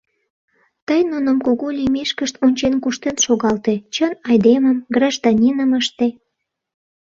Тый нуным кугу лиймешкышт ончен-куштен шогалте, чын айдемым, гражданиным ыште.